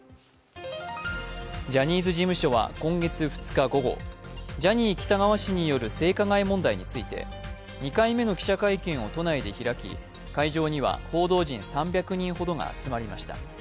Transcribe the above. ジャニーズ事務所は今月２日午後、ジャニー喜多川氏による性加害問題について２回目の記者会見を都内で開き会場には報道陣３００人ほどが集まりました。